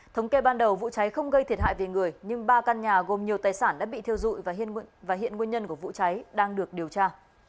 thống kê ban đầu vụ cháy không gây thiệt hại về người nhưng ba căn nhà gồm nhiều tài sản đã bị thiêu dụi và hiện nguyên nhân của vụ cháy đang được điều tra